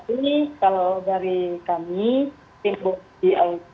tapi kalau dari kami tim bobi aulia